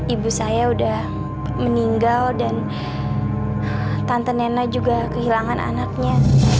ibu saya sudah meninggal dan tante nena juga kehilangan anaknya